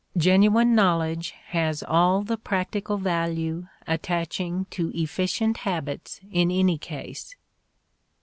Genuine knowledge has all the practical value attaching to efficient habits in any case.